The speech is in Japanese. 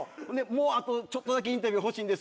「もうあとちょっとだけインタビュー欲しいんです」